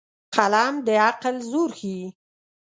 قلم د عقل زور ښيي